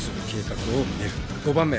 ５番目。